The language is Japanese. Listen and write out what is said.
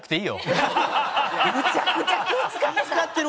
むちゃくちゃ気ぃ使ってた！